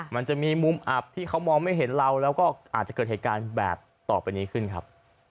มันจะมีมุมอับที่เขามองไม่เห็นเราแล้วก็อาจจะเกิดเหตุการณ์แบบต่อไปนี้ขึ้นครับ